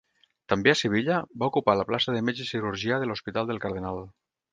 També a Sevilla va ocupar la plaça de metge cirurgià de l'Hospital del Cardenal.